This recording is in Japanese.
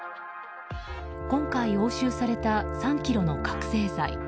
今回、押収された３ｋｇの覚醒剤。